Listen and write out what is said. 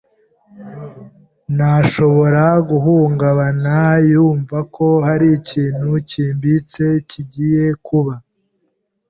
ntashobora guhungabana yumva ko hari ikintu cyimbitse kigiye kuba.